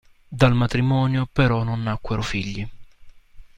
Dal matrimonio però non nacquero figli.